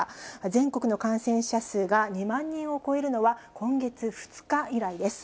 全国の感染者数が２万人を超えるのは今月２日以来です。